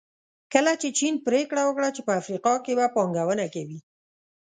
کله چې چین پریکړه وکړه چې په افریقا کې به پانګونه کوي.